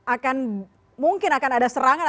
akan mungkin akan ada serangan